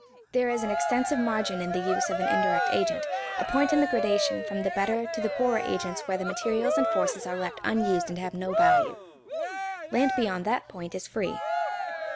There is an extensive margin in the use of an indirect agent, a point in the gradation from the better to the poorer agents where the materials and forces are left unused and have no value. Land beyond that point is free.